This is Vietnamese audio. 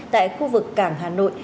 tại khu vực cảng hà nội